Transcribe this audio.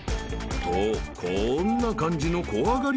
［とこんな感じの怖がり